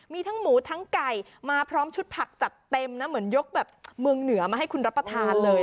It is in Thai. มีทั้งหมูทั้งไก่มาพร้อมชุดผักจัดเต็มนะเหมือนยกแบบเมืองเหนือมาให้คุณรับประทานเลย